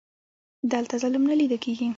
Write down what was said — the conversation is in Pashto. دلته ظلم نه لیده کیږي.